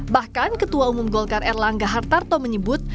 bahkan ketua umum golkar erlangga hartarto menyebut